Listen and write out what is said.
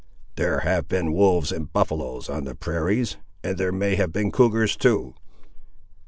"There have been wolves and buffaloes on the prairies; and there may have been cougars too."